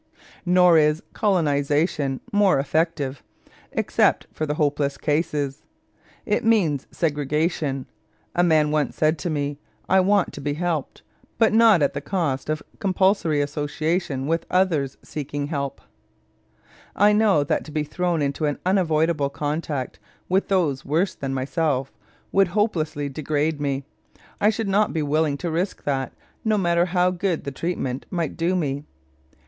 Nor is colonization more effective, except for the hopeless cases. It means segregation. A man once said to me: "I want to be helped, but not at the cost of compulsory association with others seeking help. I know that to be thrown into unavoidable contact with those worse than myself would hopelessly degrade me. I should not be willing to risk that, no matter how much good the treatment might do me."